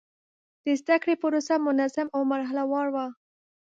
د زده کړې پروسه منظم او مرحله وار وه.